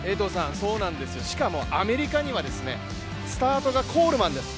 しかもアメリカにはスタートがコールマンです。